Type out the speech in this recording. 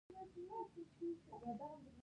د ترخزو اوږده کالي یې اغوستل او ښایسته وو.